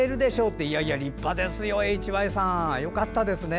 いやいや立派ですよＨＹさん、よかったですね。